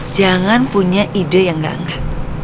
jangan punya ide yang gak enggap